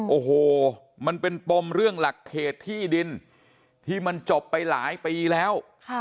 โอ้โหมันเป็นปมเรื่องหลักเขตที่ดินที่มันจบไปหลายปีแล้ว